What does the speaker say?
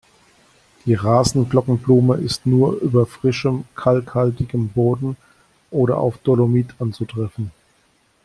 Die Rasen-Glockenblume ist nur über frischem, kalkhaltigem Boden oder auf Dolomit anzutreffen.